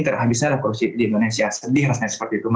terhabisnya lah korupsi di indonesia sedih rasanya seperti itu